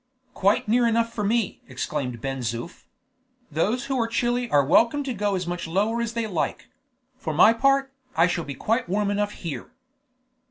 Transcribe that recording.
"Quite near enough for me!" exclaimed Ben Zoof. "Those who are chilly are welcome to go as much lower as they like. For my part, I shall be quite warm enough here."